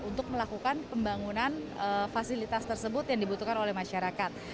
untuk melakukan pembangunan fasilitas tersebut yang dibutuhkan oleh masyarakat